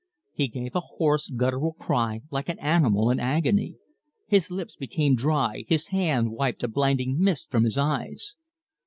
He gave a hoarse, guttural cry, like an animal in agony. His lips became dry, his hand wiped a blinding mist from his eyes.